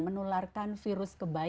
menularkan virus kembali